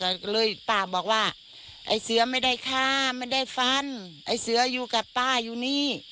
ก็เลยป้าบอกว่าไอ้เสือไม่ได้ฆ่าไม่ได้ฟันไอ้เสืออยู่กับป้าอยู่นี่